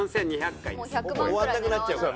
終わらなくなっちゃうから。